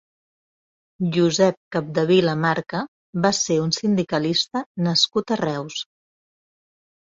Josep Capdevila Marca va ser un sindicalista nascut a Reus.